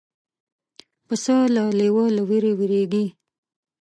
پسه د لیوه له وېرې وېرېږي.